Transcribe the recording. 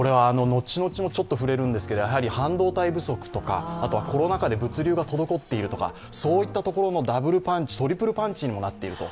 後々もちょっと触れるんですけど、半導体不足とかコロナ禍で物流が滞っているとか、そういったところのダブルパンチ、トリプルパンチにもなっていると。